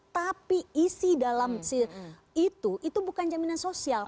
tapi isi dalam itu itu bukan jaminan sosial